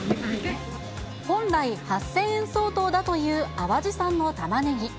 本来、８０００円相当だという淡路産のタマネギ。